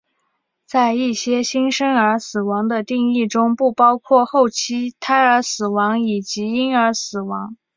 在一些新生儿死亡的定义中不包括后期胎儿死亡以及婴儿死亡。